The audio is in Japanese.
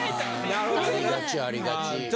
ありがちありがち。